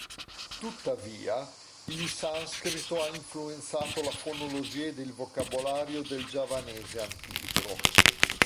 Tuttavia, il Sanscrito ha influenzato la fonologia ed il vocabolario del Giavanese antico.